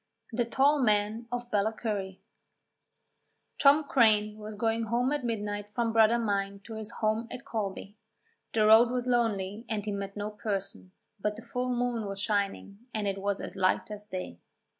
THE TALL MAN OF BALLACURRY Tom Craine was going home at midnight from Bradda mine to his home at Colby. The road was lonely and he met no person, but the full moon was shining and it was as light as day.